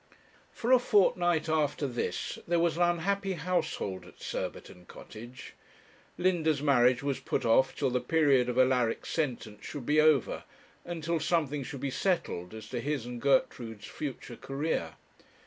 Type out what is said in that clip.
For a fortnight after this there was an unhappy household at Surbiton Cottage. Linda's marriage was put off till the period of Alaric's sentence should be over, and till something should be settled as to his and Gertrude's future career.